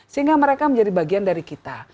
sehingga mereka menjadi bagian dari kita